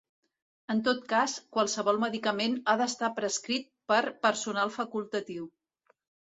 En tot cas, qualsevol medicament ha d'estar prescrit per personal facultatiu.